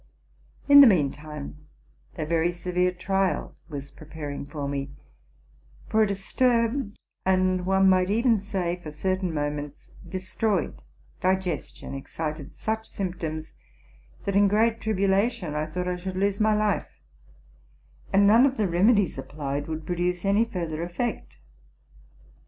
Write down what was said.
In the mean time, a very severe trial was preparing for me : for a disturbed, and, one might even say, for certain mo ments, destroyed digestion, excited such symptoms, that, in great tribulation, I thought I should lose my life; and none of the remedies applied would produce any further effect.